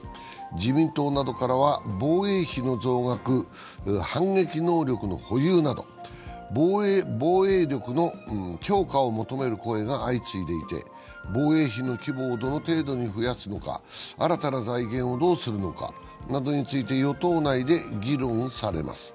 自民党などからは、防衛費の増額、反撃能力の保有など防衛力の強化を求める声が相次いでいて防衛費の規模をどの程度に増やすのか、新たな財源をどうするのかなどについて与党内で議論されます。